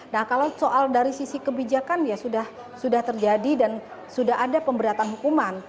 nah kalau soal dari sisi kebijakan ya sudah terjadi dan sudah ada pemberatan hukuman